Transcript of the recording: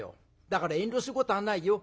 だから遠慮することはないよ。